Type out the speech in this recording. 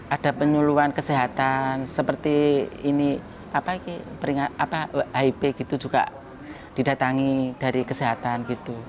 ada penyuluhan kesehatan seperti ini hiv juga didatangi dari kesehatan